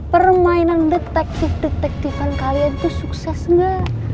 permainan detektif detektifan kalian tuh sukses gak